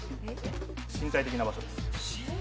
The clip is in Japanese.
身体的な場所です。